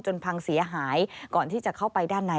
พังเสียหายก่อนที่จะเข้าไปด้านใน